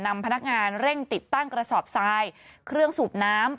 พนักงานเร่งติดตั้งกระสอบทรายเครื่องสูบน้ำ